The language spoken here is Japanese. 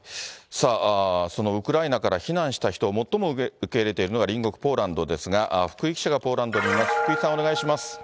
さあ、そのウクライナから避難した人を最も受け入れているのが、隣国ポーランドですが、福井記者がポーランドにいます。